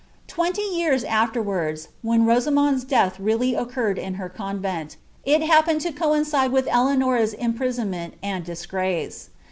Twenty years afterwards, when Kosamond's death realty oecuned a her convent, it happened to coincide with Eleanore^s impriaonmeal twl | diegraee.